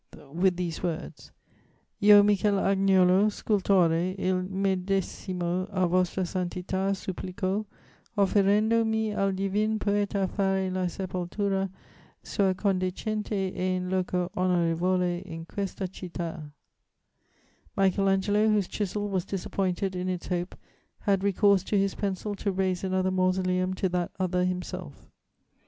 with these words: "'_Io Michel Agnolo, scultore, il medesimo a Vostra Santità supplico, offerendomi al divin poeta fare la sepoltura sua condecente e in loco onorevole in quest a città._' "Michael Angelo, whose chisel was disappointed in its hope, had recourse to his pencil to raise another mausoleum to that other himself.